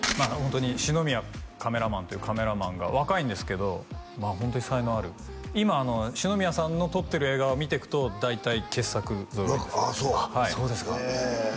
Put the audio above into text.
四宮カメラマンというカメラマンが若いんですけどホントに才能ある今四宮さんの撮ってる映画を見ていくと大体傑作揃いですねああ